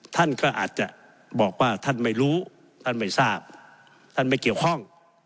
ท่านก็อาจจะบอกว่าท่านไม่รู้ท่านไม่ทราบท่านไม่เกี่ยวข้อง